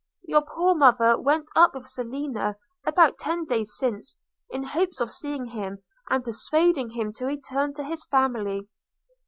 Your poor mother went up with Selina about ten days since, in hopes of seeing him, and persuading him to return to his family.